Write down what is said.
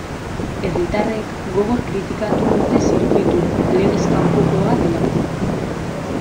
Herritarrek gogor kritikatu dute zirkuitua, legez kanpokoa delako.